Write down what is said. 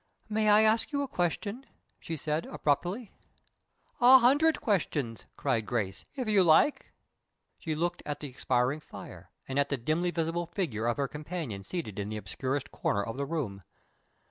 "May I ask you a question?" she said, abruptly. "A hundred questions," cried Grace, "if you like." She looked at the expiring fire, and at the dimly visible figure of her companion seated in the obscurest corner of the room.